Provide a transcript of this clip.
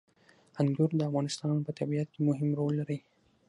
انګور د افغانستان په طبیعت کې مهم رول لري.